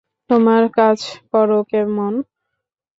তোমার কাজ করো, কেমন?